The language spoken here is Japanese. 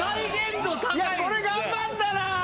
これ頑張ったなぁ。